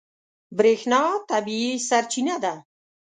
برېښنا طبیعي سرچینه ده.